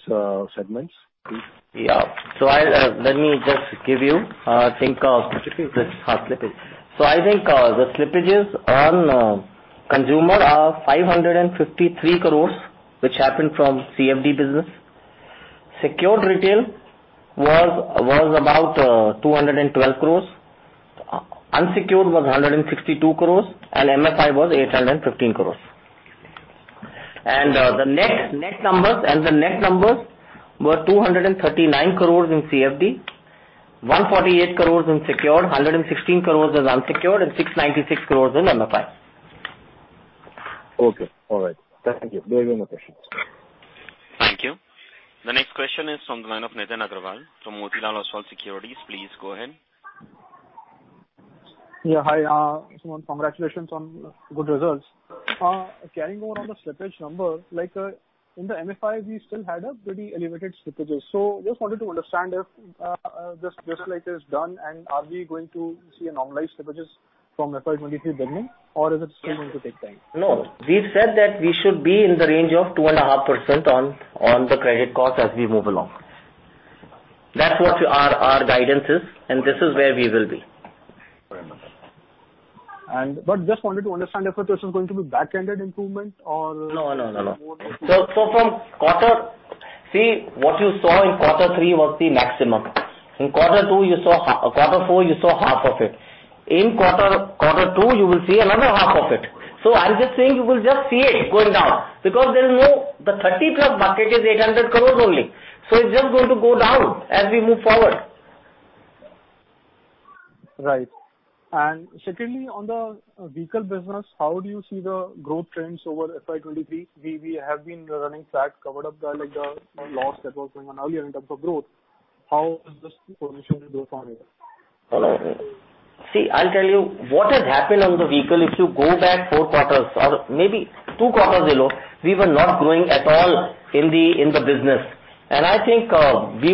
segments, please? Yeah. I'll let me just give you the slippage. I think the slippages on consumer are 553 crores, which happened from CFD business. Secured retail was about 212 crores. Unsecured was 162 crores and MFI was 815 crores. The net numbers were 239 crores in CFD, 148 crores in secured, 116 crores was unsecured and 696 crores in MFI. Okay. All right. Thank you. Very good questions. Thank you. The next question is from the line of Nitin Aggarwal from Motilal Oswal Securities. Please go ahead. Yeah, hi, Sumant, congratulations on good results. Carrying over on the slippage numbers, like, in the MFI, we still had pretty elevated slippages. Just wanted to understand if this decline is done and are we going to see a normalized slippages from FY 2023 beginning or is it still going to take time? No. We've said that we should be in the range of 2.5% on the credit cost as we move along. That's what our guidance is, and this is where we will be. Just wanted to understand if this is going to be back-ended improvement or. No. From quarter. See, what you saw in quarter three was the maximum. In quarter two, you saw half. Quarter four, you saw half of it. In quarter two, you will see another half of it. I'm just saying you will just see it going down because there's no. The 30+ bucket is 800 crores only. It's just going to go down as we move forward. Right. Secondly, on the vehicle business, how do you see the growth trends over FY 2023? We have been running flat, covered up the, like, the loss that was going on earlier in terms of growth. How is this position going to go forward? See, I'll tell you what has happened on the vehicle, if you go back four quarters or maybe two quarters below, we were not growing at all in the business. I think, we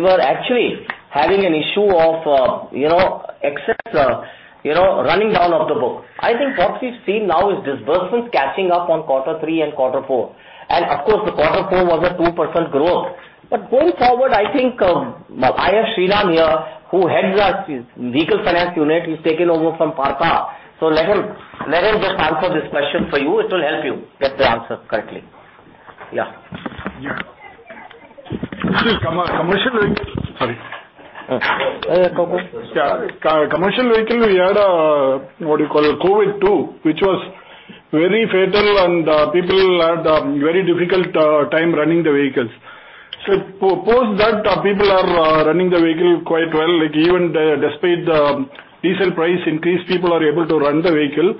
were actually having an issue of, you know, excess, you know, running down of the book. I think what we've seen now is disbursements catching up on quarter three and quarter four. Of course, the quarter four was a 2% growth. Going forward, I think, I have Sriram here, who heads our vehicle finance unit. He's taken over from Partha. Let him just answer this question for you. It will help you get the answer correctly. Yeah. Yeah. Sorry. Yeah. Commercial vehicle, we had what do you call it, COVID two, which was very fatal and people had very difficult time running the vehicles. Post that, people are running the vehicle quite well, like even despite the diesel price increase, people are able to run the vehicle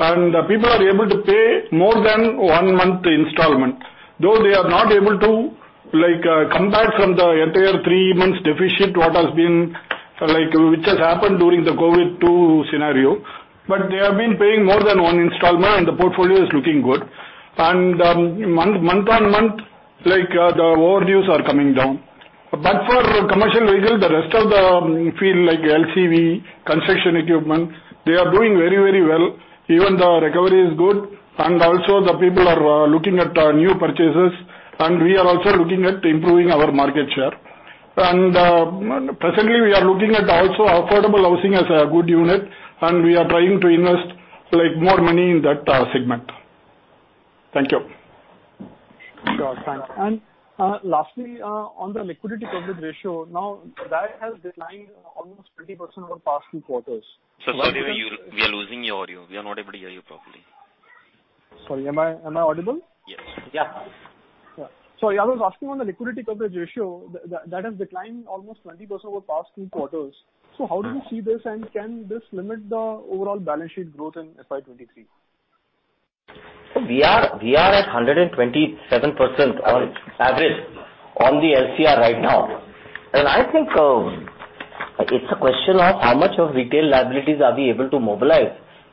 and people are able to pay more than one month installment, though they are not able to like come back from the entire three months deficit, what has been like which has happened during the COVID two scenario. They have been paying more than one installment and the portfolio is looking good. Month-on-month, like, the overdues are coming down. For commercial vehicle, the rest of the field like LCV, construction equipment, they are doing very, very well. Even the recovery is good and also the people are looking at new purchases and we are also looking at improving our market share. Presently we are looking at also affordable housing as a good unit and we are trying to invest, like, more money in that segment. Thank you. Sure. Thanks. Lastly, on the liquidity coverage ratio, now that has declined almost 20% over the past few quarters. Sir, sorry, we are losing your audio. We are not able to hear you properly. Sorry, am I audible? Yes. Yeah. Yeah. I was asking on the liquidity coverage ratio, that has declined almost 20% over the past three quarters. How do you see this and can this limit the overall balance sheet growth in FY 2023? We are at 127% on average on the LCR right now. I think it's a question of how much of retail liabilities are we able to mobilize.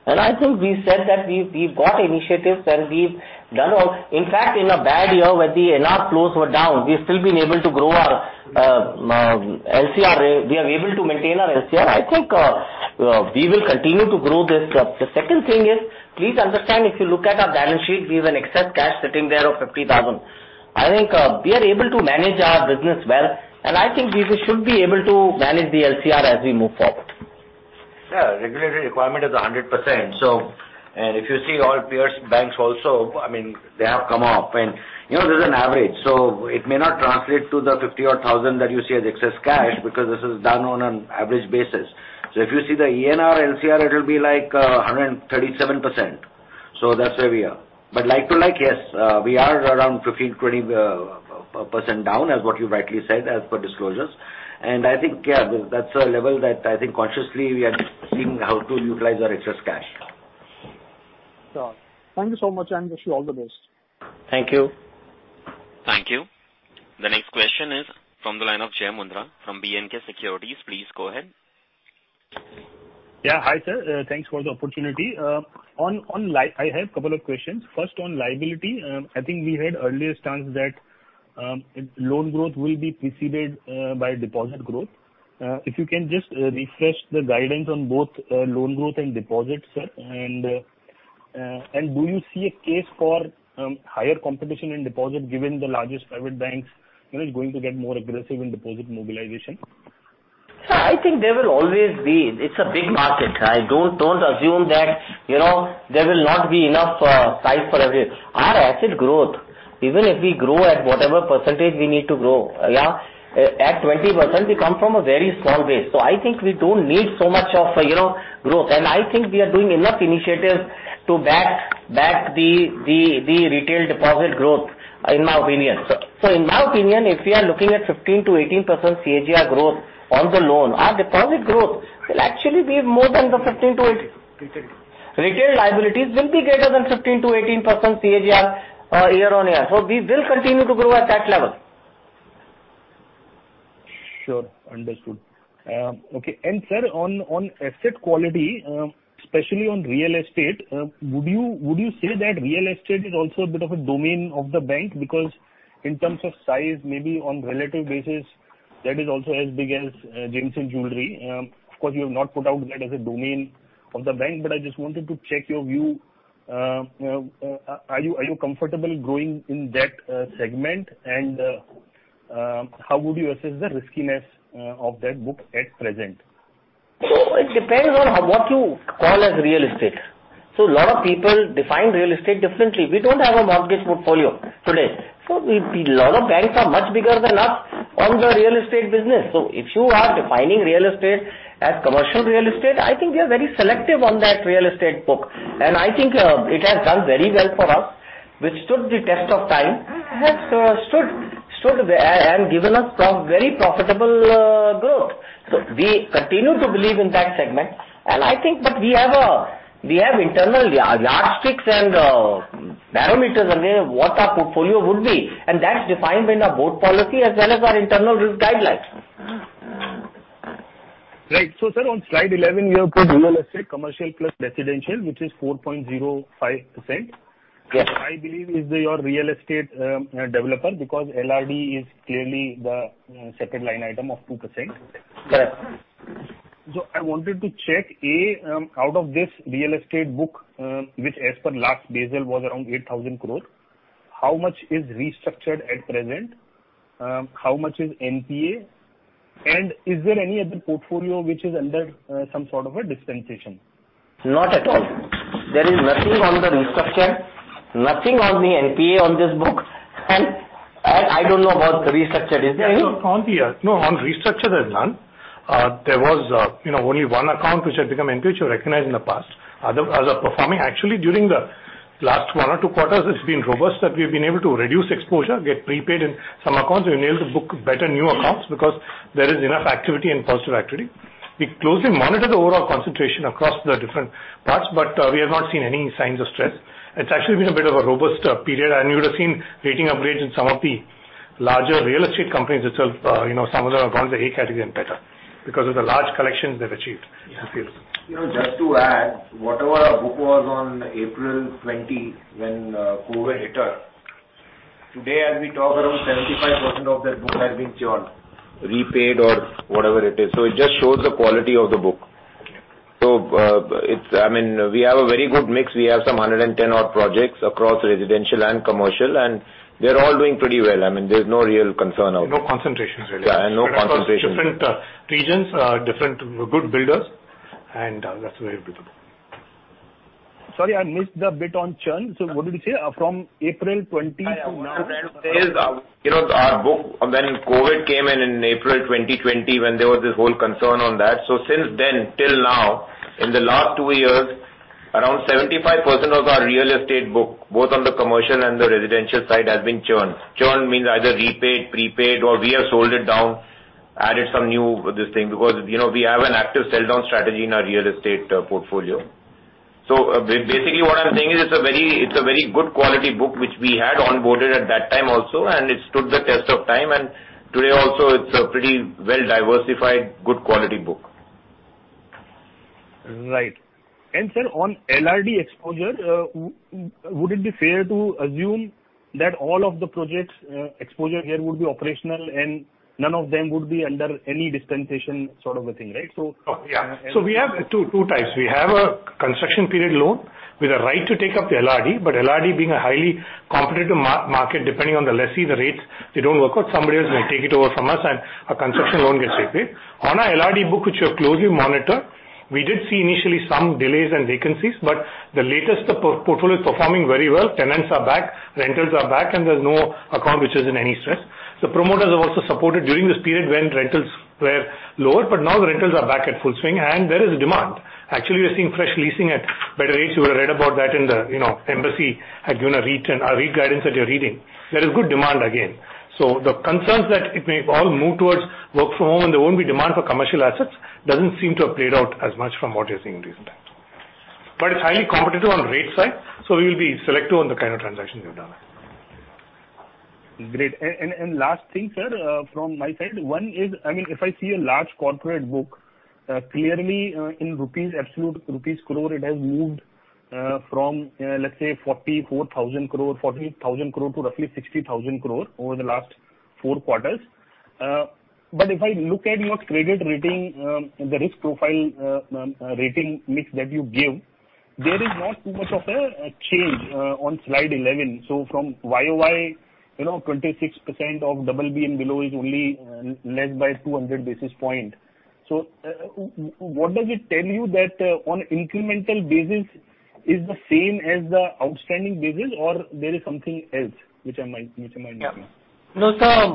I think we said that we've got initiatives and we've done our. In fact, in a bad year where the NRE flows were down, we've still been able to grow our LCR. We are able to maintain our LCR. I think we will continue to grow this. The second thing is, please understand, if you look at our balance sheet, we have an excess cash sitting there of 50,000. I think we are able to manage our business well, and I think we should be able to manage the LCR as we move forward. Yeah. Regulatory requirement is 100%. If you see all peers, banks also, I mean, they have come up and, you know, this is an average, so it may not translate to the 50 or 1,000 that you see as excess cash because this is done on an average basis. If you see the ENR LCR, it will be like 137%. That's where we are. Like to like, yes, we are around 15%-20% down as what you rightly said as per disclosures. I think, yeah, that's a level that I think consciously we are seeing how to utilize our excess cash. Sure. Thank you so much, and wish you all the best. Thank you. Thank you. The next question is from the line of Jai Mundhra, from B&K Securities. Please go ahead. Yeah, hi sir. Thanks for the opportunity. I have a couple of questions. First, on liability, I think we had earlier stated that loan growth will be preceded by deposit growth. If you can just refresh the guidance on both loan growth and deposits, sir. Do you see a case for higher competition in deposit given the largest private banks, you know, going to get more aggressive in deposit mobilization? Sir, I think there will always be. It's a big market. I don't assume that, you know, there will not be enough size for everyone. Our asset growth, even if we grow at whatever percentage we need to grow. Yeah. At 20% we come from a very small base. I think we don't need so much of a, you know, growth. I think we are doing enough initiatives to back the retail deposit growth, in my opinion. In my opinion, if we are looking at 15%-18% CAGR growth on the loan, our deposit growth will actually be more than the 15%-18- Retail. Retail liabilities will be greater than 15%-18% CAGR, year-on-year. We will continue to grow at that level. Sure. Understood. Okay. Sir, on asset quality, especially on real estate, would you say that real estate is also a bit of a domain of the bank? Because in terms of size, maybe on relative basis, that is also as big as gems and jewelry. Of course, you have not put out that as a domain of the bank, but I just wanted to check your view. Are you comfortable growing in that segment? How would you assess the riskiness of that book at present? It depends on what you call as real estate. A lot of people define real estate differently. We don't have a mortgage portfolio today, so a lot of banks are much bigger than us on the real estate business. If you are defining real estate as commercial real estate, I think we are very selective on that real estate book. I think it has done very well for us, withstood the test of time. It has stood and given us very profitable growth. We continue to believe in that segment. I think we have internal yardsticks and parameters on where, what our portfolio would be, and that's defined in our board policy as well as our internal risk guidelines. Right. Sir, on slide 11, you have put real estate commercial plus residential, which is 4.05%. Yes. I believe is your real estate developer, because LRD is clearly the second line item of 2%. Correct. I wanted to check out of this real estate book, which as per last balance sheet was around 8,000 crore. How much is restructured at present? How much is NPA? And is there any other portfolio which is under some sort of a dispensation? Not at all. There is nothing on the restructure, nothing on the NPA on this book. I don't know about the restructured. Is there any? Yeah. No, on restructure, there's none. There was, you know, only one account which had become NPA, which you recognized in the past. Other performing actually during the last one or two quarters, it's been robust that we've been able to reduce exposure, get prepaid in some accounts. We've been able to book better new accounts because there is enough activity and positive activity. We closely monitor the overall concentration across the different parts, but we have not seen any signs of stress. It's actually been a bit of a robust period. You would have seen rating upgrades in some of the larger real estate companies itself. You know, some of them have gone to A category and better because of the large collections they've achieved. You know, just to add, whatever our book was on April 20 when COVID hit us, today as we talk, around 75% of that book has been churned, repaid, or whatever it is. It just shows the quality of the book. Okay. I mean, we have a very good mix. We have some 110-odd projects across residential and commercial, and they're all doing pretty well. I mean, there's no real concern out there. No concentrations really. Yeah, no concentrations. They're across different regions, different good builders, and that's very good. Sorry, I missed the bit on churn. What did you say? From April twenty to now? I wanted to say is, you know, our book when COVID came in in April 2020 when there was this whole concern on that. Since then till now, in the last two years, around 75% of our real estate book, both on the commercial and the residential side, has been churned. Churned means either repaid, prepaid, or we have sold it down, added some new, this thing. Because, you know, we have an active sell-down strategy in our real estate portfolio. Basically what I'm saying is it's a very good quality book, which we had onboarded at that time also, and it stood the test of time, and today also it's a pretty well-diversified good quality book. Right. Sir, on LRD exposure, would it be fair to assume that all of the projects, exposure here would be operational and none of them would be under any dispensation sort of a thing, right? Oh, yeah. We have two types. We have a construction period loan with a right to take up the LRD, but LRD being a highly competitive market, depending on the lessee, the rates, they don't work out, somebody else may take it over from us and our construction loan gets repaid. On our LRD book, which we have closely monitored, we did see initially some delays and vacancies, but the portfolio is performing very well. Tenants are back, rentals are back, and there's no account which is in any stress. The promoters have also supported during this period when rentals were lower, but now the rentals are back at full swing and there is a demand. Actually, we are seeing fresh leasing at better rates. You would have read about that in the, you know, Embassy had given a rent guidance that you're reading. There is good demand again. The concerns that it may all move towards work from home and there won't be demand for commercial assets doesn't seem to have played out as much from what you're seeing in recent times. It's highly competitive on rate side, so we will be selective on the kind of transactions we have done. Great. Last thing, sir, from my side, one is, I mean, if I see a large corporate book, clearly, in rupees, absolute rupees crore, it has moved from, let's say 44,000 crore, 40,000 crore to roughly 60,000 crore over the last four quarters. If I look at your credit rating, the risk profile, rating mix that you give, there is not too much of a change on slide 11. From YoY, you know, 26% of double B and below is only less by 200 basis points. What does it tell you that on incremental basis is the same as the outstanding basis or there is something else, which I might have missed? Yeah. No, sir.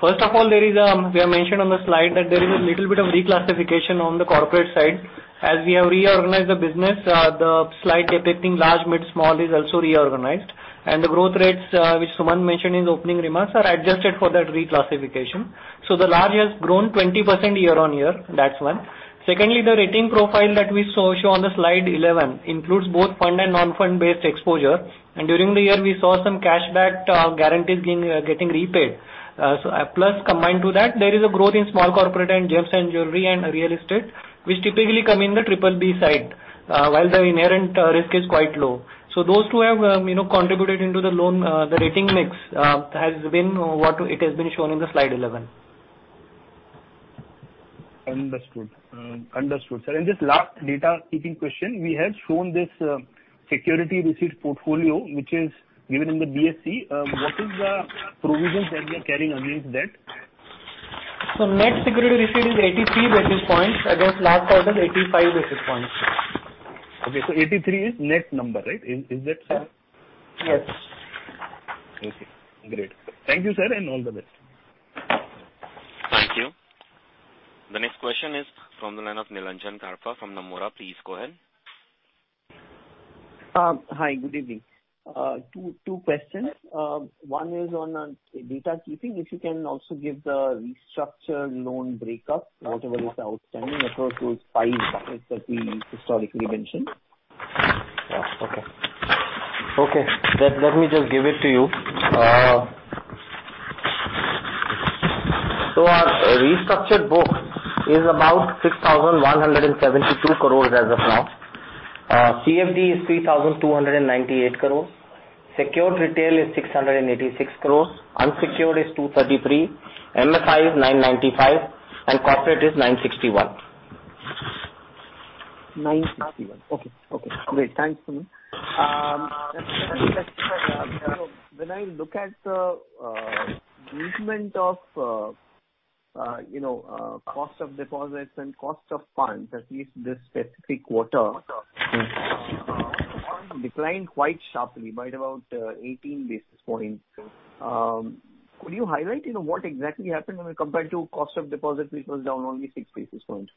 First of all, there is we have mentioned on the slide that there is a little bit of reclassification on the corporate side. As we have reorganized the business, the slide depicting large, mid, small is also reorganized. The growth rates, which Sumant mentioned in his opening remarks are adjusted for that reclassification. The large has grown 20% year-on-year. That's one. Secondly, the rating profile that we saw shown on the slide 11 includes both fund-based and non-fund-based exposure. During the year, we saw some cash back guarantees getting repaid. Plus combined to that, there is a growth in small corporate and gems and jewelry and real estate, which typically come in the triple-B side, while the inherent risk is quite low. Those two have, you know, contributed to the loan. The rating mix has been what it has been shown in the Slide 11. Understood. Sir, in this last data keeping question, we had shown this security receipt portfolio which is given in the BSE. What is the provisions that we are carrying against that? Net security receipt is 83 basis points against last quarter's 85 basis points. Okay, 83 is net number, right? Is that so? Yes. Okay, great. Thank you, sir, and all the best. Thank you. The next question is from the line of Nilanjan Karfa from Nomura. Please go ahead. Hi, good evening. Two questions. One is on DPD keeping. If you can also give the restructured loan break-up, whatever is outstanding referred to its side that we historically mentioned. Let me just give it to you. Our restructured book is about 6,172 crores as of now. CFD is 3,298 crores. Secured retail is 686 crores. Unsecured is 233 crores. MFI is 995 crores and corporate is 961 crores. 961. Okay. Okay, great. Thanks, Sumant. The second question, when I look at the movement of, you know, cost of deposits and cost of funds, at least this specific quarter- Cost of funds declined quite sharply by about 18 basis points. Could you highlight, you know, what exactly happened when compared to cost of deposits, which was down only six basis points?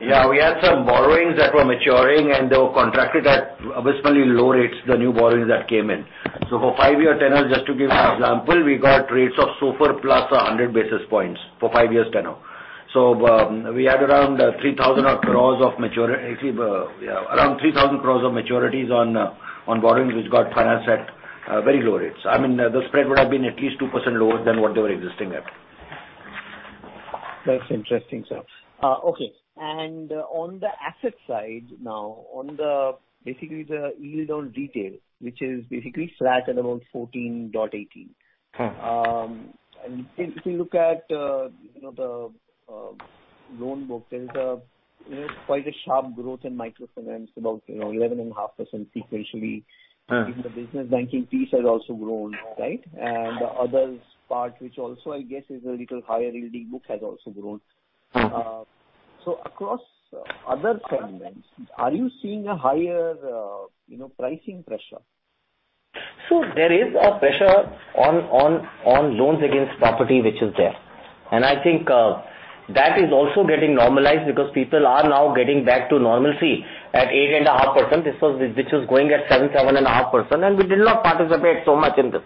Yeah. We had some borrowings that were maturing, and they were contracted at abysmal low rates, the new borrowings that came in. For five-year tenors, just to give you an example, we got rates of SOFR plus 100 basis points for five years tenor. We had around 3,000 crores of maturities on borrowings which got financed at very low rates. I mean, the spread would have been at least 2% lower than what they were existing at. That's interesting, sir. Okay. On the asset side now, basically the yield on retail, which is basically flat at about 14.18%. If you look at, you know, the loan book, there is, you know, quite a sharp growth in microfinance, about, you know, 11.5% sequentially. Even the business banking piece has also grown, right? The other part, which also, I guess is a little higher yielding book, has also grown. Across other segments, are you seeing a higher, you know, pricing pressure? There is a pressure on loans against property which is there. I think that is also getting normalized because people are now getting back to normalcy at 8.5%. Which was going at 7-7.5%, and we did not participate so much in this.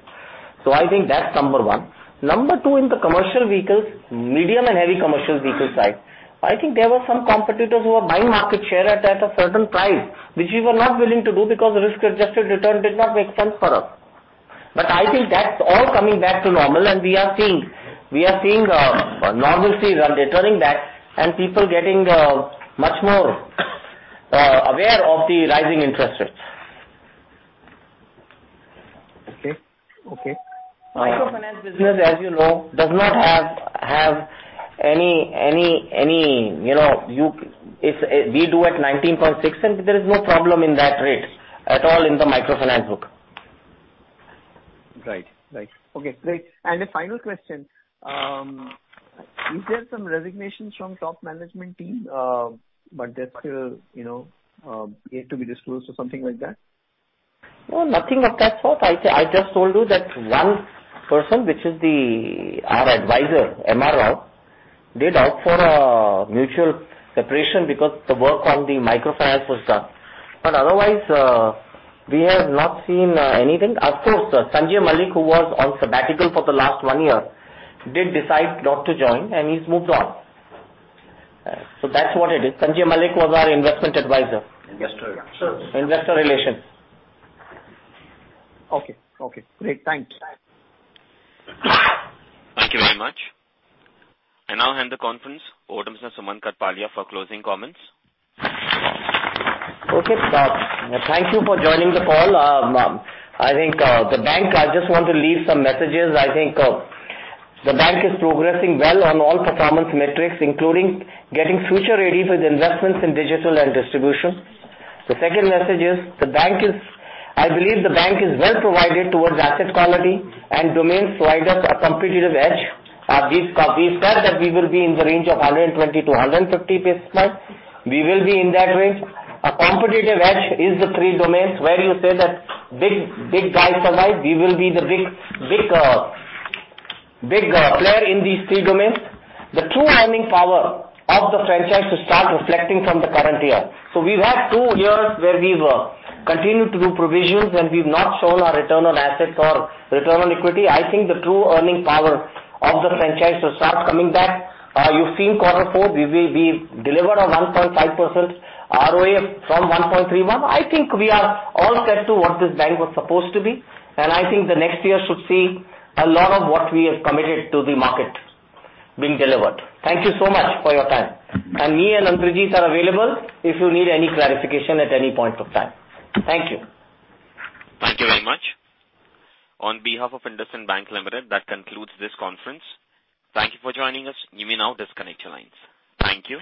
I think that's number one. Number two, in the commercial vehicles, medium and heavy commercial vehicles side, I think there were some competitors who were buying market share at a certain price, which we were not willing to do because risk-adjusted return did not make sense for us. I think that's all coming back to normal and we are seeing normalcy returning back and people getting much more aware of the rising interest rates. Okay. Okay. Microfinance business, as you know, does not have any, you know. If we do at 19.6%, and there is no problem in that rate at all in the microfinance book. Right. Okay, great. The final question, is there some resignations from top management team, but they're still, you know, yet to be disclosed or something like that? No, nothing of that sort. I just told you that one person, which is our advisor, M.R. Rao, did opt for a mutual separation because the work on the microfinance was done. Otherwise, we have not seen anything. Of course, Sanjay Malik, who was on sabbatical for the last one year, did decide not to join and he's moved on. That's what it is. Sanjay Malik was our investment advisor. Investor relations. Okay. Great. Thank you. Thank you very much. I now hand the conference over to Mr. Sumant Kathpalia for closing comments. Okay. Thank you for joining the call. I think, the bank, I just want to leave some messages. I think, the bank is progressing well on all performance metrics, including getting future-ready with investments in digital and distribution. The second message is the bank is. I believe the bank is well-provided towards asset quality and domains provide us a competitive edge. We've said that we will be in the range of 120-150 basis points. We will be in that range. Our competitive edge is the three domains where you say that big guys survive. We will be the big player in these three domains. The true earning power of the franchise will start reflecting from the current year. We've had two years where we've continued to do provisions and we've not shown our return on assets or return on equity. I think the true earning power of the franchise will start coming back. You've seen quarter four, we will be delivered on 1.5% ROA from 1.31. I think we are all set to what this bank was supposed to be, and I think the next year should see a lot of what we have committed to the market being delivered. Thank you so much for your time. Me and Indrajit are available if you need any clarification at any point of time. Thank you. Thank you very much. On behalf of IndusInd Bank Limited, that concludes this conference. Thank you for joining us. You may now disconnect your lines. Thank you.